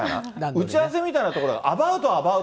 打ち合わせみたいなところが、アバウト。